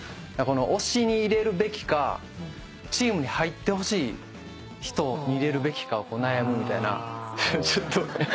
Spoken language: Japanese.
推しに入れるべきかチームに入ってほしい人に入れるべきかを悩むみたいなちょっと。